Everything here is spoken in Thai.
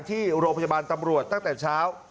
ที่โรงพยาบาลตำรวจตั้งแต่เช้า